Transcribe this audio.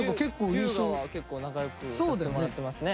龍我は結構仲良くさせてもらってますね。